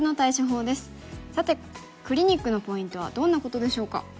さてクリニックのポイントはどんなことでしょうか？